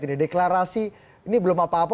ini deklarasi ini belum apa apa